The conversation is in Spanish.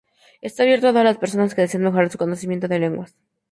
Está abierto a todas las personas que deseen mejorar su conocimiento de lenguas.